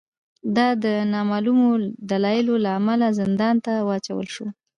دای د نامعلومو دلایلو له امله زندان ته واچول شو.